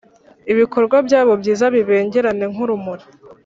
ibikorwa byabo byiza, bibengerane nk’urumuri.